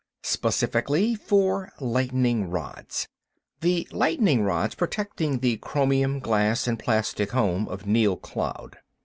Specifically, four lightning rods. The lightning rods protecting the chromium, glass, and plastic home of Neal Cloud.